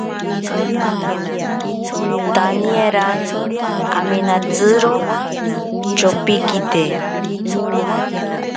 Taniera amenatsiro tyopikite.